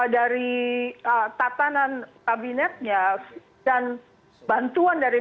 dari tatanan kabinetnya dan bantuan dari